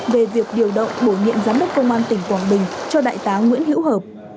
về việc điều động bổ nhiệm giám đốc công an tỉnh quảng bình cho đại tá nguyễn hữu hợp